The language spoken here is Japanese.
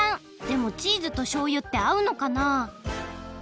でもチーズとしょうゆってあうのかな？